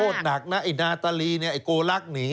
หนักนะไอ้นาตาลีเนี่ยไอโกลักษณ์หนี